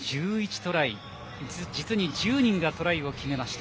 トライ、実に１０人がトライを決めました。